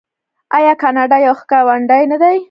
آیا کاناډا یو ښه ګاونډی نه دی؟